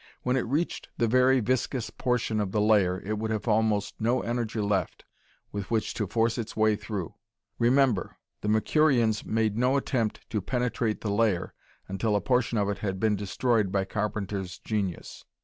When it reached the very viscous portion of the layer, it would have almost no energy left with which to force its way through. Remember, the Mercurians made no attempt to penetrate the layer until a portion of it had been destroyed by Carpenter's genius.